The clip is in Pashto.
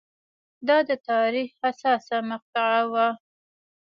دا د تاریخ حساسه مقطعه وه.